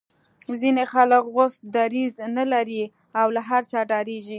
ځینې خلک غوڅ دریځ نه لري او له هر چا ډاریږي